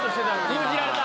封じられた！